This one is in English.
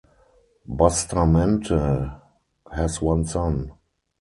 Bustamante has one son.